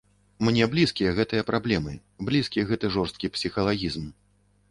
Мне блізкія гэтыя праблемы, блізкі гэты жорсткі псіхалагізм.